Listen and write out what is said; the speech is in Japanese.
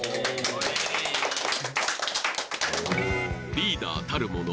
リーダーたるもの